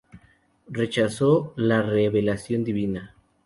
Rechazó la revelación divina.